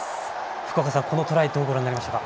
福岡さん、このトライ、どうご覧になりましたか。